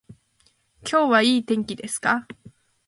今日はいい天気ですか